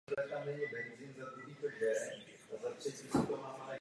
Vrchol tvoří dominantu okolí a je oblíbeným místem pro pěší turistiku s náročným výstupem.